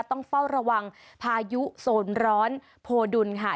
ต้องเฝ้าระวังพายุโซนร้อนโพดุลค่ะ